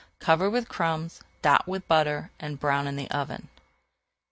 Cover with crumbs, dot with butter, and brown in the oven.